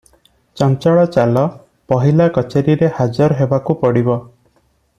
"ଚଞ୍ଚଳ ଚାଲ, ପହିଲା କଚେରିରେ ହାଜର ହେବାକୁ ପଡିବ ।"